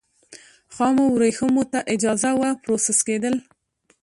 خامو ورېښمو ته اجازه وه پروسس کېدل.